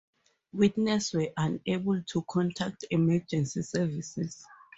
Witnesses were unable to contact emergency services.